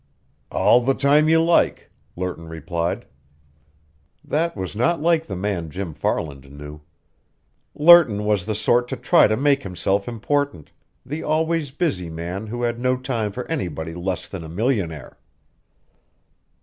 "All the time you like," Lerton replied. That was not like the man, Jim Farland knew. Lerton was the sort to try to make himself important, the always busy man who had no time for anybody less than a millionaire.